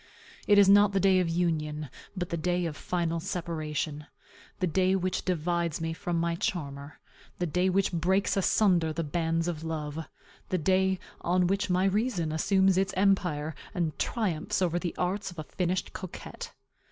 It is not the day of union, but the day of final separation; the day which divides me from my charmer; the day which breaks asunder the bands of love; the day on which my reason assumes its empire, and triumphs over the arts of a finished coquette.